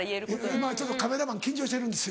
今カメラマン緊張してるんですよ。